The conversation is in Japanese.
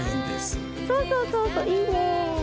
そうそうそういいね！